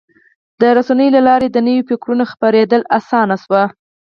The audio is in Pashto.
د رسنیو له لارې د نوي فکرونو خپرېدل اسانه شوي.